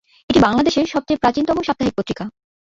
এটি বাংলাদেশের সবচেয়ে প্রাচীনতম সাপ্তাহিক পত্রিকা।